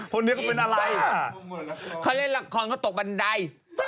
คนนี้เขาเป็นอะไร